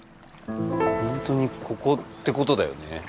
本当にここってことだよね。